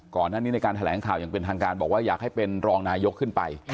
ก่อนหน้านี้ในการแถลงข่าวอย่างเป็นทางการบอกว่าอยากให้เป็นรองนายกขึ้นไป